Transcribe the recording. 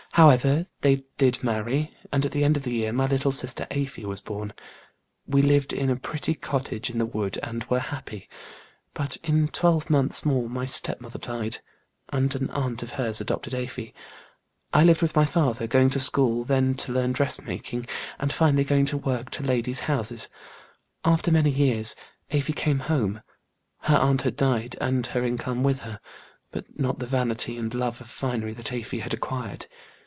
However, they did marry, and at the end of the year my little sister Afy was born. We lived in a pretty cottage in the wood and were happy. But in twelve months more my step mother died, and an aunt of hers adopted Afy. I lived with my father, going to school, then to learn dressmaking, and finally going out to work to ladies' houses. After many years, Afy came home. Her aunt had died and her income with her, but not the vanity and love of finery that Afy had acquired.